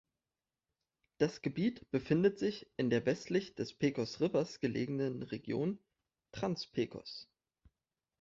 Das Gebiet befindet sich in der westlich des Pecos River gelegenen Region Trans-Pecos.